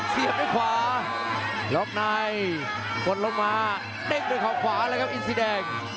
เสียบด้วยขวาล็อกในกดลงมาเด้งด้วยเขาขวาแล้วครับอินสีแดง